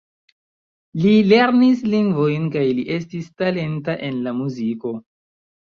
Li lernis lingvojn kaj li estis talenta en la muziko.